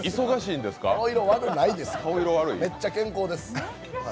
顔色悪くないです、めっちゃ健康です。